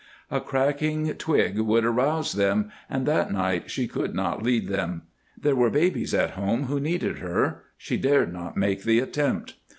A cracking twig would rouse them, and that night she could not lead them. There were babies at home who needed her; she dared not make the attempt.